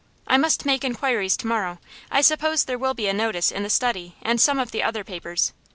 'I must make inquiries to morrow. I suppose there will be a notice in The Study and some of the other papers.